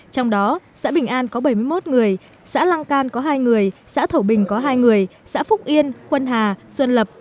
trong đó xã bình an có bảy mươi một người xã lăng can có hai người xã thổ bình có hai người xã phúc yên xuân hà xuân lập